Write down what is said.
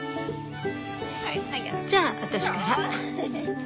じゃ私から。